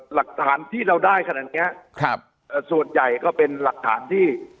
หลักฐานที่เราได้ขนาดนี้ส่วนใหญ่ก็เป็นหลักฐานที่